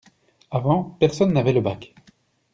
Avant, personne n’avait le bac.